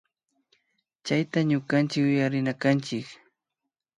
Chayta ñukanchik yuyarinakanchik